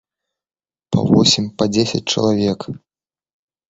Па восем, па дзесяць чалавек.